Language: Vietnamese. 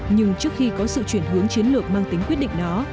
nhưng trước khi có sự chuyển hướng chiến lược mang tính quyết định đó